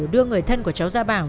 đưa người thân của cháu gia bảo